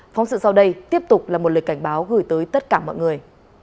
phóng sự sau đây tiếp tục là một lời cảnh báo gửi tới tất cả mọi người